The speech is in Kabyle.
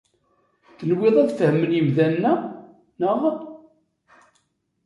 Tenwiḍ ad fehmen yemdanen-a naɣ?